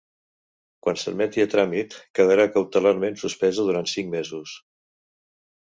Quan s’admeti a tràmit, quedarà cautelarment suspesa durant cinc mesos.